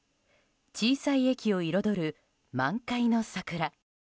小さい駅を彩る満開の桜。